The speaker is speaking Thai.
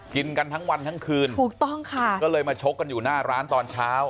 กินกันทั้งวันทั้งคืนถูกต้องค่ะก็เลยมาชกกันอยู่หน้าร้านตอนเช้า